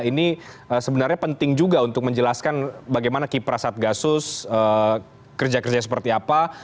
ini sebenarnya penting juga untuk menjelaskan bagaimana kipra satgasus kerja kerja seperti apa